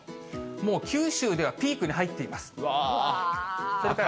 もう九州ではピークに入っています。